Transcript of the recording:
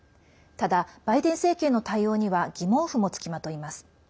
ただ、バイデン政権の対応には疑問符もつきまといます。